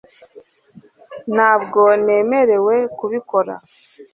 ntabwo nemerewe kubikora